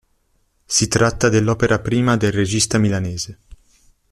Si tratta dell'opera prima del regista milanese.